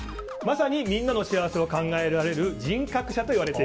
まさにみんなの幸せを考えられるないわ。